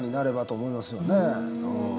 思いますよね。